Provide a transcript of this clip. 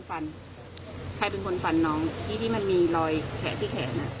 ใครเป็นคนฟันน้องที่มันมีรอยแขกที่แขกน่ะ